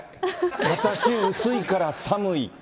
私、薄いから寒い。